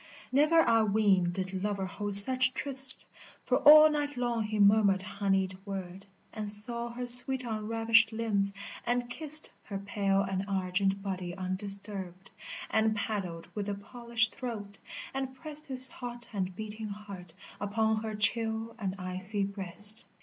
Never I ween did lover hold such tryst, For all night long he murmured honeyed word, And saw her sweet unravished limbs, and kissed Her pale and argent body undisturbed, And paddled with the polished throat, and pressed His hot and beating heart upon her chill and icy breast.